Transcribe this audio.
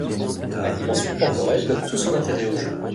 La dimension temporelle donne tout son intérêt au jeu.